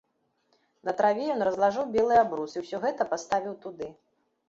На траве ён разлажыў белы абрус і ўсё гэта паставіў туды.